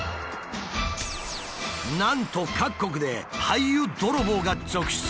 なんと各国で廃油泥棒が続出。